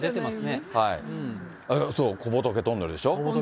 そう、小仏トンネルでしょ。